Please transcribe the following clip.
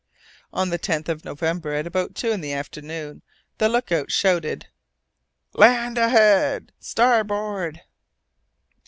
On the 10th of November, at about two in the afternoon, the look out shouted, "Land ahead, starboard!"